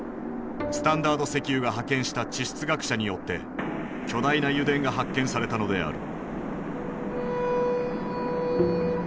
スタンダード石油が派遣した地質学者によって巨大な油田が発見されたのである。